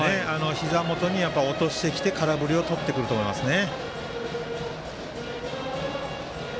ひざ元に落としてきて、空振りをとってくると思いますね。